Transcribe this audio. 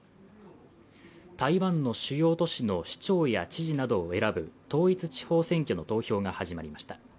台湾の主要都市の市長や知事などを選ぶ統一地方選挙の投票が始まりました